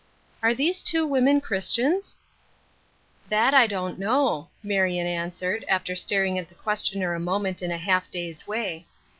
" Are these two women Clnistians ?"" That I don't know," Marion answered, after staring at the questioner a moment in a half dazed way.